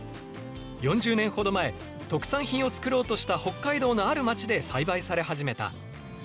４０年ほど前特産品を作ろうとした北海道のある町で栽培され始めた。